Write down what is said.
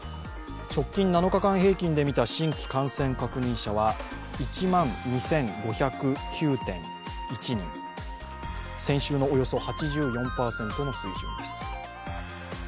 直近７日間平均で見た新規感染確認者は１万２５０９．１人、先週のおよそ８４％の水準です。